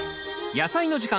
「やさいの時間」